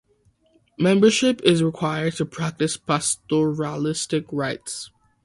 Membership is required to practice pastoralistic rights.